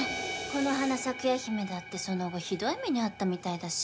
コノハナサクヤヒメだってその後ひどい目に遭ったみたいだし。